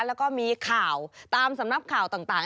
แล้วก็มีข่าวตามสำนักข่าวต่าง